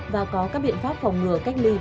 và có các biện pháp phòng ngừa cách ly